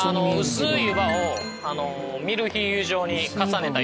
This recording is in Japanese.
薄い湯葉をミルフィーユ状に重ねた湯葉です。